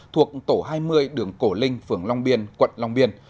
thuộc tổ hai mươi đường cổ linh phường long biên quận long biên